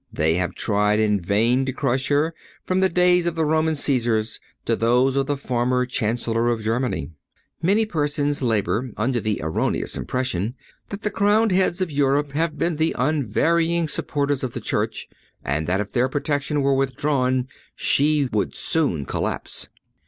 They have tried in vain to crush her, from the days of the Roman Cæsars to those of the former Chancellor of Germany. Many persons labor under the erroneous impression that the crowned heads of Europe have been the unvarying supporters of the Church, and that if their protection were withdrawn she would soon collapse.